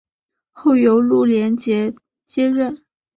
后由陆联捷接任。